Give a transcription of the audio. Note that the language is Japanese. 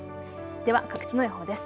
では各地の予報です。